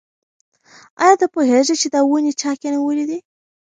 ایا ته پوهېږې چې دا ونې چا کینولي دي؟